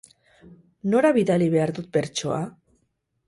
Nora bidali behar dut bertsoa?